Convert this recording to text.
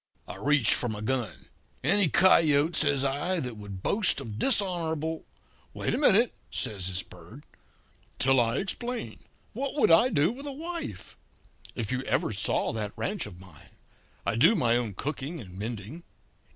"I reached for my gun. "'Any coyote,' says I, 'that would boast of dishonourable ' "'Wait a minute,' says this Bird, 'till I explain. What would I do with a wife? If you ever saw that ranch of mine! I do my own cooking and mending.